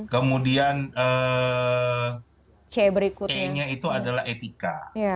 kemudian e nya itu adalah etika